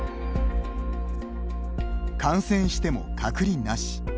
感染しても隔離なし。